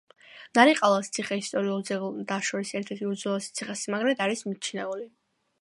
ნარიყალას ციხე ისტორიულ ძეგლთა შორის ერთ-ერთ უძველეს ციხესიმაგრედ არის მიჩნეული.